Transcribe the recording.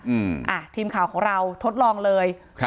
อืมอ่ะทีมข่าวของเราทดลองเลยครับ